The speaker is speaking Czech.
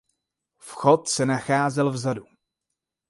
Vchod se nacházel vzadu.